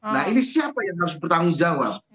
nah ini siapa yang harus bertanggung jawab